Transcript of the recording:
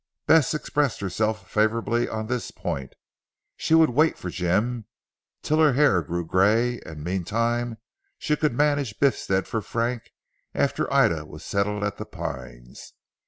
Bess expressed herself favourably on this point. She would wait for Jim till her hair grew gray, and meantime she could manage Biffstead for Frank, after Ida was settled at "The Pines."